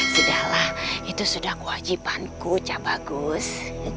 sudahlah itu sudah kewajibanku cabagus